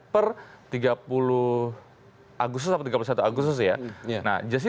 per tiga puluh agustus atau tiga puluh satu agustus ya